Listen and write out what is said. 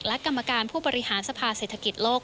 และกรรมการผู้บริหารสภาเศรษฐกิจโลก